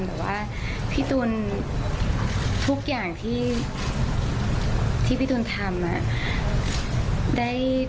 แต่ว่าพี่ตูนทุกอย่างที่พี่ตูนทำ